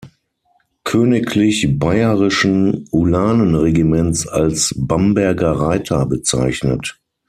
Königlich Bayerischen Ulanenregiments als „Bamberger Reiter“ bezeichnet.